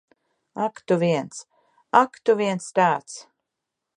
Ak tu viens. Ak, tu viens tāds!